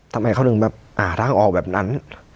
ทำไมเขาถึงแบบหาทางออกแบบนั้น